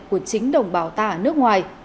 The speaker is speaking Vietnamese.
của chính đồng bào ta ở nước ngoài